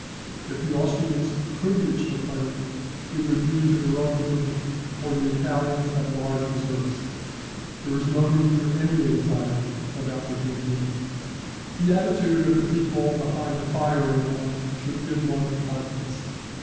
If the Austrians could reach the plain it would be to their own ruin, for the Italians have large reserves. There is no need for any anxiety about the Trentino. The attitude of the people behind the firing line should give one confidence.